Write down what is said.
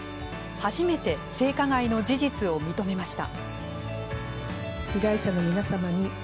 初めて性加害の事実を認めました。